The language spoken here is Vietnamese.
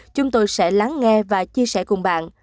chúng tôi sẽ lắng nghe và chia sẻ cùng bạn